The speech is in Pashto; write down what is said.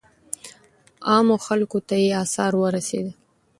عامو خلکو ته یې آثار ورسېدل.